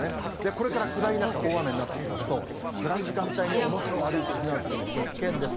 これから暗い中、大雨になってきますと、暗い時間帯に表を歩いて避難するのは非常に危険です。